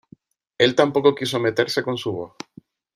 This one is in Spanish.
Él tampoco quiso meterse con su voz.